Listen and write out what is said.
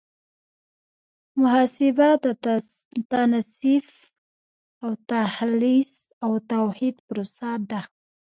محاسبه د تنصیف او تخلیص او توحید پروسه ده.